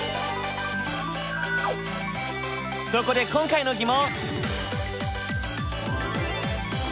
そこで今回の疑問！